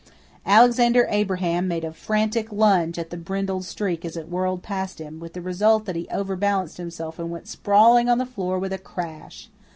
Alexander Abraham made a frantic lunge at the brindled streak as it whirled past him, with the result that he overbalanced himself and went sprawling on the floor with a crash.